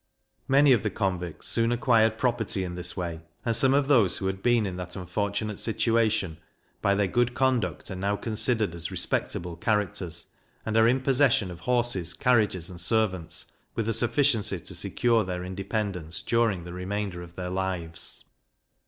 Many of the convicts soon acquired property in this way, and some of those who had been in that unfortunate situation, by their good conduct are now considered as respectable characters, and are in possession of horses, carriages, and servants, with a sufficiency to secure their independence during the remainder of their lives.